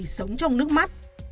sống trong nước mắt